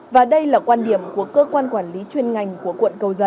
và đây là quan điểm của cơ quan quản lý chuyên ngành của quốc gia